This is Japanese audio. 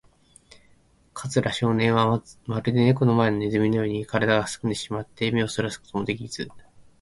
桂少年は、まるでネコの前のネズミのように、からだがすくんでしまって、目をそらすこともできず、